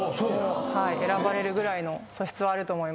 選ばれるぐらいの素質はあると思います。